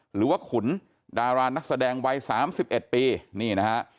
หรือว่าขุนดารานนักแสดงวัย๓๑ปี